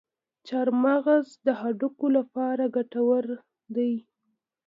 چارمغز د هډوکو لپاره ګټور دی.